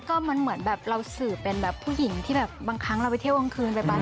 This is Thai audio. ก็เหมือนว่าเราก็ต้องมีการโตขึ้นด้วย